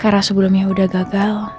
karena sebelumnya udah gagal